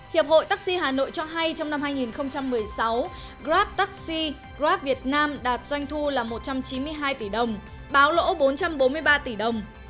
hiệp hội taxi hà nội cho hay trong năm hai nghìn một mươi sáu grab taxi grab việt nam đạt doanh thu là một trăm chín mươi hai tỷ đồng báo lỗ bốn trăm bốn mươi ba tỷ đồng